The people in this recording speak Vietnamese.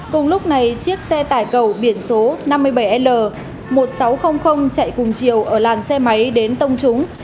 cùng lúc này chiếc xe tải cầu biển số năm mươi bảy l một nghìn sáu trăm linh chạy cùng chiều ở làn xe máy đến tông trúng